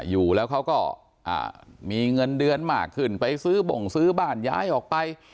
อยู่แล้วเขาก็มีเงินเดือนมากขึ้นไปซื้อบ่งซื้อบ้านย้ายออกไป